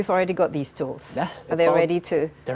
mereka sudah siap